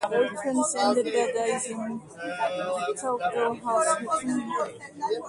Both twins ended their days in Chalkdell House, Hitchin.